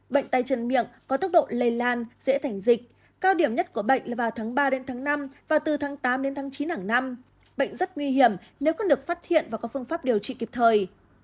bệnh tay chân miệng có tốc độ lây lan dễ thành dịch cao điểm nhất của bệnh là vào tháng ba đến tháng năm và từ tháng tám đến tháng chín hàng năm bệnh rất nguy hiểm nếu có được phát hiện và có phương pháp điều trị kịp thời